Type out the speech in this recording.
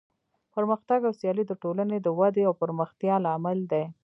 پرمختګ او سیالي د ټولنې د ودې او پرمختیا لامل دی.